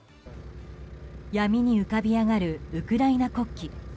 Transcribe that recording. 闇に浮かび上がるウクライナ国旗。